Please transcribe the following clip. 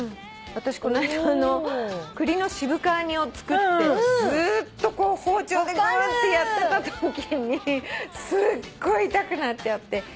私この間栗の渋皮煮を作ってずっと包丁でグーってやってたときにすっごい痛くなっちゃって。